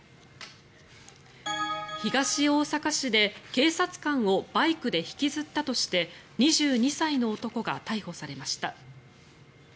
東大阪市で警察官をバイクで引きずったとして２２歳の男が逮捕されました。